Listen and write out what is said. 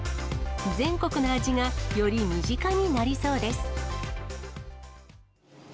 全国の味がより身近になりそうです。